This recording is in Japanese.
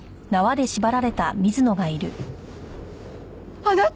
あなた！